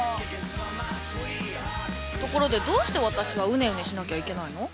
ところでどうして私はうねうねしなきゃいけないの？